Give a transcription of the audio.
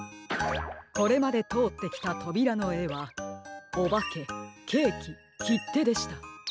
これまでとおってきたとびらのえはおばけケーキきってでした。